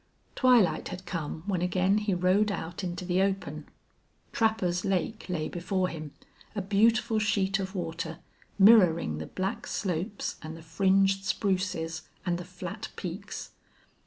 Twilight had come when again he rode out into the open. Trapper's Lake lay before him, a beautiful sheet of water, mirroring the black slopes and the fringed spruces and the flat peaks.